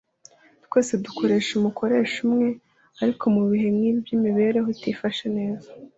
Twese dukorera umukoresha umwe ariko mu bihe nk’ibi by’imibereho itifashe neza